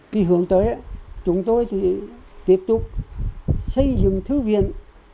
khi hướng tới chúng tôi thì tiếp tục xây dựng thư viện